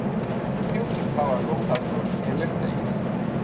ფილმში მთავარ როლს ასრულებს ელენ პეიჯი.